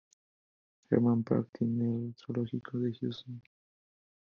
Hermann Park tiene el Zoológico de Houston.